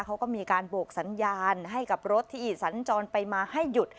เขาก็มีการโบกสัญญาณให้กับรถที่สัญจรไปมาให้หยุด